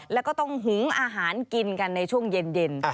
แล้วก็ต้องหุงอาหารกินกันในช่วงเย็น